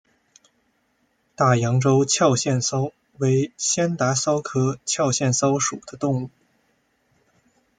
大洋洲壳腺溞为仙达溞科壳腺溞属的动物。